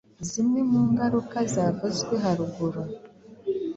zimwe mu ngaruka zavuzweho haruguru